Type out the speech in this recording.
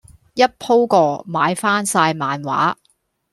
一鋪過買翻曬漫畫